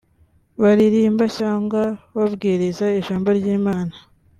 baririmba cyangwa babwiriza ijambo ry’Imana